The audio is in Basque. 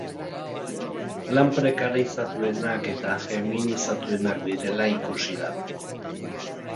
Lan prekarizatuenak eta feminizatuenak direla ikusi da.